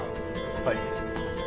はい。